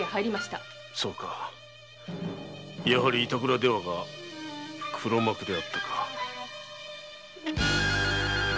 そうかやはり板倉出羽守が黒幕であったか。